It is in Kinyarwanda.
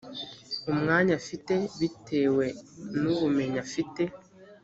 umwanya afite bitewe n ‘ubumenyi afite